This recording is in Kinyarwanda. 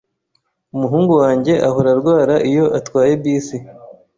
Umuhungu wanjye ahora arwara iyo atwaye bisi.